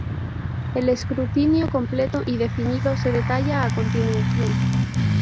El escrutinio completo y definitivo se detalla a continuación.